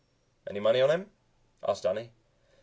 "Any money on him?" asked Danny.